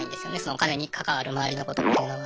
お金に関わるまわりのことっていうのは。